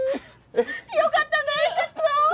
よかったね勝男！